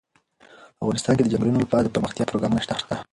افغانستان کې د چنګلونه لپاره دپرمختیا پروګرامونه شته.